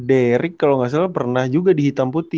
tidak soalnya rik kalo gak salah pernah juga di hitam putih